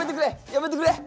やめてくれ！